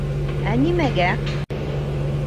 Ә нимәгә?